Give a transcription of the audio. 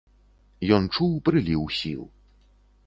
Ён чуў прыліў сіл.